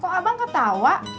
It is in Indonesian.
kok abang ketawa